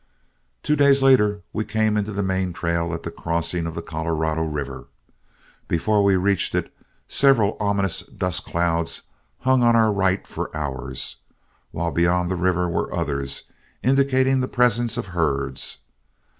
Two days later we came into the main trail at the crossing of the Colorado River. Before we reached it, several ominous dust clouds hung on our right for hours, while beyond the river were others, indicating the presence of herds.